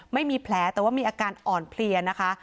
ไม่มีแผลแต่ว่ามีอาการอ่อนเพลียนะคะ